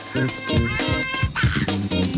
เพิ่มเวลา